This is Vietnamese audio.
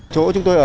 có vẻ mạnh hơn